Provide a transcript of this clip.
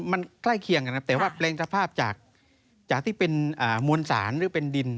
มันใกล้เคียงกันนะแต่ว่าแปลงสภาพจากที่เป็นมวลสารหรือเป็นดิน